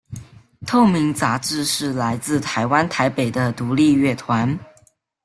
透明杂志是来自台湾台北的独立乐团。